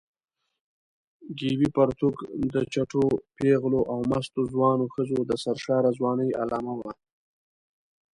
ګیبي پرتوګ د چټو پېغلو او مستو ځوانو ښځو د سرشاره ځوانۍ علامه وه.